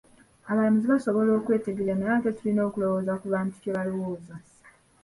Abalamuzi basobola okwetegerera naye ate tulina okulowooza ku bantu kye balowooza.